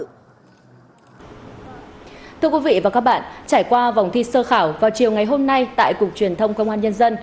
các bạn trải qua vòng thi sơ khảo vào chiều ngày hôm nay tại cục truyền thông công an nhân dân